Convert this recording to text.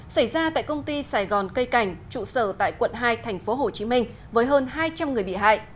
xảy ra tại công ty sài gòn cây cảnh trụ sở tại quận hai tp hcm với hơn hai trăm linh người bị hại